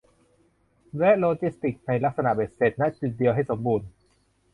และโลจิสติกส์ในลักษณะเบ็ดเสร็จ ณ จุดเดียวให้สมบูรณ์